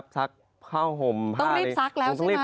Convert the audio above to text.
ซักผ้าห่มต้องรีบซักแล้วใช่ไหมต้องรีบซัก